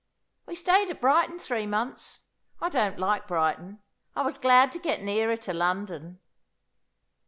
We stayed at Brighton three months; I don't like Brighton. I was glad to get nearer to London."